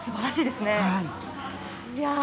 すばらしいですね。